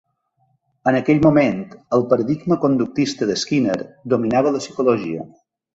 En aquell moment, el paradigma conductista de Skinner dominava la psicologia.